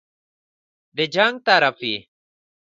د جنګ طرف وي.